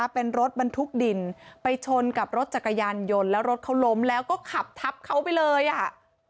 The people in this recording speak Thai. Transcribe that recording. เป็นรถบรรทุกดินไปชนกับรถจักรยานยนต์แล้วรถเขาล้มแล้วก็ขับทับเขาไปเลยอ่ะ